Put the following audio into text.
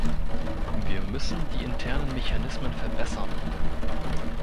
Wir müssen die internen Mechanismen verbessern.